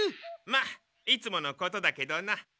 まあいつものことだけどな。